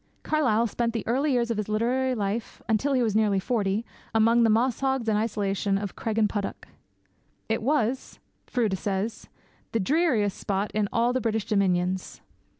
Carlyle spent the early years of his literary life, until he was nearly forty, among the mosshags and isolation of Craigenputtock. It was, Froude says, the dreariest spot in all the British dominions.